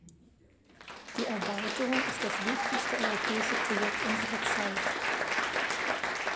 Die Erweiterung ist das wichtigste europäische Projekt unserer Zeit.